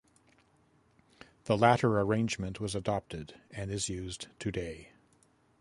The latter arrangement was adopted and is used today.